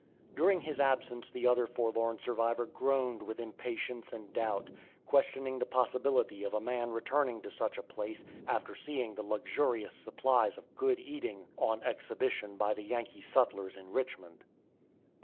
During his absence the other forlorn survivor groaned with impatience and doubt, questioning the possibility of a man returning to such a place after seeing the luxurious supplies of good eating on exhibition by the Yankee sutlers in Richmond.